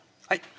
はい